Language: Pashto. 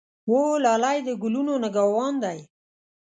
وه لالی د ګلو نګه وان دی.